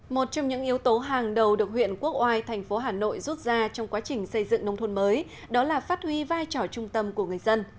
một trong những yếu tố hàng đầu được huyện quốc oai thành phố hà nội rút ra trong quá trình xây dựng nông thôn mới đó là phát huy vai trò trung tâm của người dân